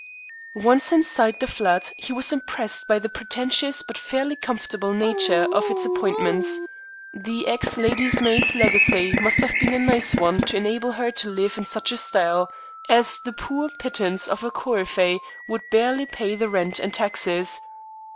Once inside the flat, he was impressed by the pretentious but fairly comfortable nature of its appointments; the ex lady's maid's legacy must have been a nice one to enable her to live in such style, as the poor pittance of a coryphée would barely pay the rent and taxes.